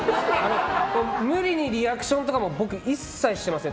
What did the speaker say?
無理にリアクションとかも僕、一切していません。